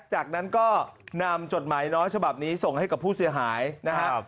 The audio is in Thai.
จากนั้นก็นำจดหมายน้อยฉบับนี้ส่งให้กับผู้เสียหายนะครับ